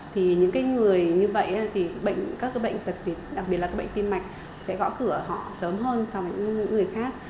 thì những người như vậy thì các bệnh tật đặc biệt là các bệnh tim mạch sẽ gõ cửa họ sớm hơn so với những người khác